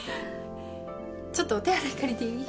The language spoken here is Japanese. ちょっとお手洗い借りていい？